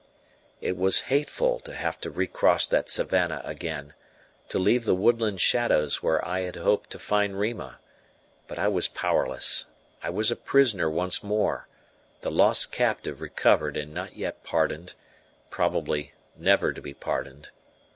It was hateful to have to recross that savannah again, to leave the woodland shadows where I had hoped to find Rima; but I was powerless: I was a prisoner once more, the lost captive recovered and not yet pardoned, probably never to be pardoned.